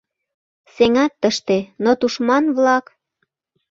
Сеҥат тыште — но тушман-влак